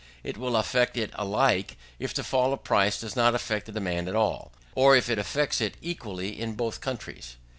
It will affect it alike, if the fall of price does not affect the demand at all, or if it affects it equally in both countries.